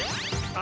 あ。